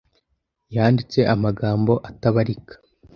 Yanditse amagambo atabarika